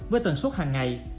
với tần suốt hàng ngày